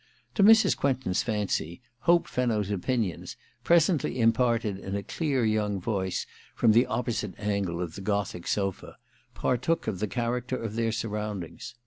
To Mrs. Quentin's fancy, Hope Fenno's opinions, presently imparted in a clear young voice from the opposite angle of the Gothic sofa, partook of the character of their surround f ings.